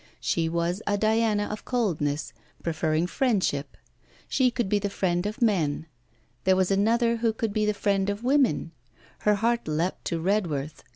She was a Diana of coldness, preferring friendship; she could be the friend of men. There was another who could be the friend of women. Her heart leapt to Redworth.